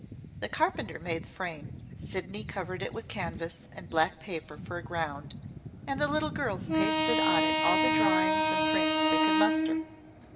The carpenter made the frame; Sydney covered it with canvas and black paper for a ground; and the little girls pasted on it all the drawings and prints they could muster.